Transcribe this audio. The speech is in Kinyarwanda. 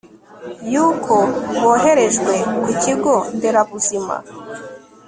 y'uko boherejwe ku kigo nderabuzima